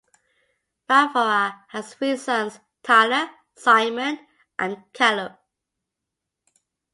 Fafara has three sons: Tyler, Simon and Kaleb.